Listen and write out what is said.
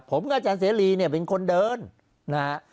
ผมกับอาจารย์เสรีเนี่ยเป็นคนเดินนะฮะ